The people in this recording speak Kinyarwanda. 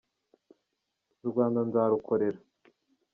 urwanda nzarukorera